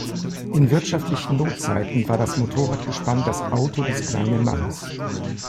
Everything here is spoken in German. In wirtschaftlichen Notzeiten war das Motorradgespann das „Auto des kleinen Mannes“.